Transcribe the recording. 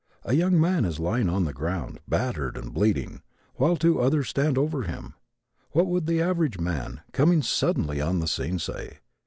A young man is lying on the ground, battered and bleeding, while two others stand over him. What would the average man, coming suddenly on the scene say?